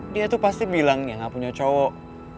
dia tuh pasti bilang ya gak punya cowok